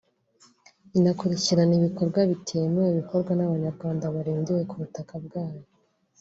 inakurikirana ibikorwa bitemewe bikorwa n’Abanyarwanda barindiwe ku butaka bwayo